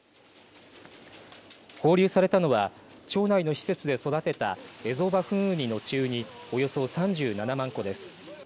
放流されたのは町内の施設で育てたエゾバフンウニの稚ウニおよそ３７万個です。